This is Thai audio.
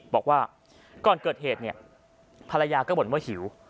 บอกว่าก่อนเกิดเหตุภรรยาก็หมดว่าหิว